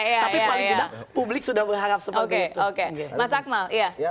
saya yakin yang bisa menilai teman teman saya sih